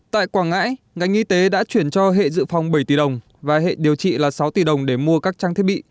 tại quảng ngãi ngành y tế đã chuyển cho hệ dự phòng bảy tỷ đồng và hệ điều trị là sáu tỷ đồng để mua các trang thiết bị